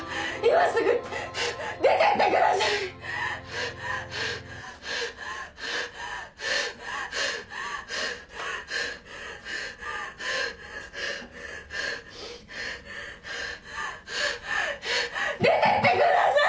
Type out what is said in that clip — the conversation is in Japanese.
はぁ出てってください！